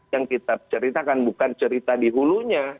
yang kita ceritakan bukan cerita di hulunya